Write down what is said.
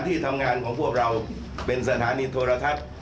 ปฏิตามภาพบังชั่วมังตอนของเหตุการณ์ที่เกิดขึ้นในวันนี้พร้อมกันครับ